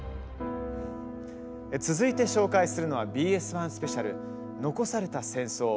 続いて紹介するのはＢＳ１スペシャル「遺された“戦争”